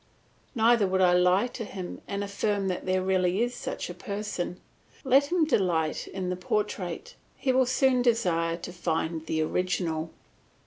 Neither would I lie to him and affirm that there really is such a person; let him delight in the portrait, he will soon desire to find the original.